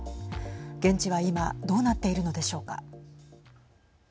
現地は今どうなっているのでしょうか。